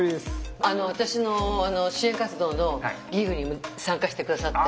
私の支援活動のギグに参加して下さって。